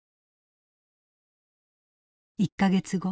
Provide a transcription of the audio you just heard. １か月後。